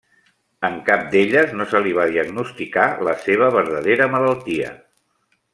En cap d'elles no se li va diagnosticar la seva verdadera malaltia.